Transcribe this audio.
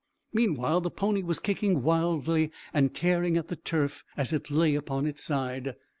Meanwhile the pony was kicking wildly and tearing at the turf as it lay upon its side.